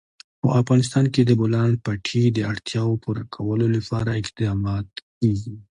په افغانستان کې د د بولان پټي د اړتیاوو پوره کولو لپاره اقدامات کېږي.